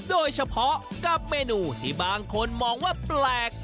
โดยเฉพาะกับเมนูที่บางคนมองว่าแปลก